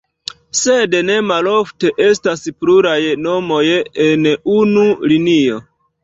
Sed, ne malofte estas pluraj nomoj en unu linio.